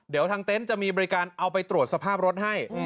เดี๋ยวทางเต็นต์จะมีบริการเอาไปตรวจสภาพรถให้